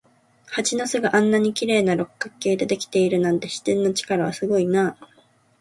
蜂の巣があんなに綺麗な六角形でできているなんて、自然の力はすごいなあ。